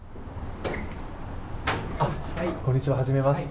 こんにちは、はじめまして。